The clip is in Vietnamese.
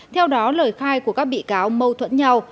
theo đó lời khai của các bị cáo mâu thuẫn nhau